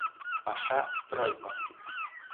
Паша — стройко.